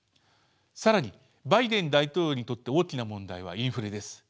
更にバイデン大統領にとって大きな問題はインフレです。